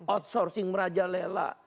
outsourcing meraja lela